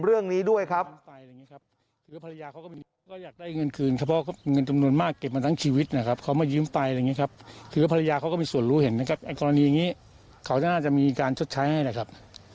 เรื่องนี้ด้วยครับ